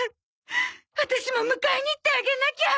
ワタシも迎えに行ってあげなきゃ！